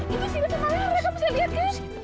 itu sita sama lara mereka bisa lihat kan